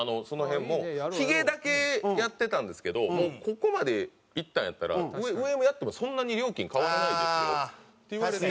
ヒゲだけやってたんですけどもうここまでいったんやったら上もやってもそんなに料金変わらないですよって言われて。